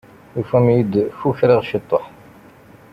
Tufam iyi d kukraɣ ciṭuḥ.